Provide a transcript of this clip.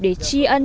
để chi ân